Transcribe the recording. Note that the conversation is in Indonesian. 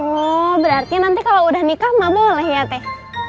oh berarti nanti kalau udah nikah mama boleh ya teh